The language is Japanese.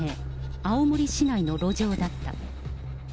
青森市内の路上だった。